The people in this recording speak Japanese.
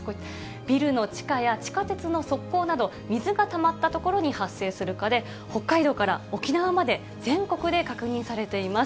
ビルの地下や地下鉄の側溝など、水がたまった所に発生する蚊で、北海道から沖縄まで、全国で確認されています。